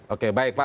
oke baik pak